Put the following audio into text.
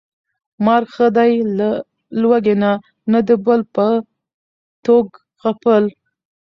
مرګ ښه دى له لوږې نه، نه د بل په ټوک غپل